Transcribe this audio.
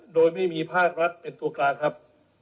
โดยไม่มีภาครัฐเป็นตัวกลางครับ